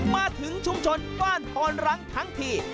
มาถึงชุมชนบ้านพรรังทั้งที